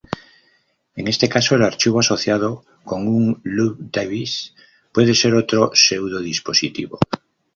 En este caso, el archivo asociado con un "loop device" puede ser otro pseudo-dispositivo.